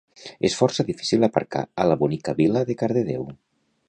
És força difícil aparcar a la bonica vila de Cardedeu